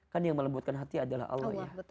kan yang melembutkan hati adalah allah ya